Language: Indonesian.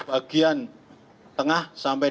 bagian tengah sampai